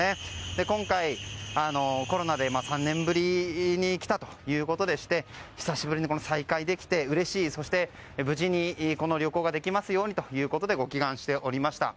今回、コロナで３年ぶりに来たということでして久しぶりに再会できてうれしいそして、無事にこの旅行ができますようにということでご祈願しておりました。